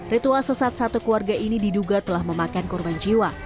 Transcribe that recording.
ritual sesat satu keluarga ini diduga telah memakan korban jiwa